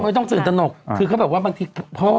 ไม่ต้องตื่นตนกคือเขาแบบว่าบางทีพ่อ